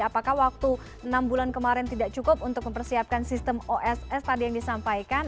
apakah waktu enam bulan kemarin tidak cukup untuk mempersiapkan sistem oss tadi yang disampaikan